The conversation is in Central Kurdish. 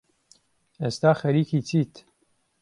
ئێستا خەریکی چیت؟